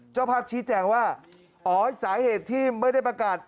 เจ้าภาพชี้แจงว่าอ๋อสาเหตุที่ไม่ได้ประกาศ